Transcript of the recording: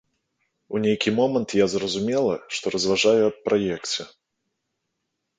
У нейкі момант я зразумела, што разважаю аб праекце.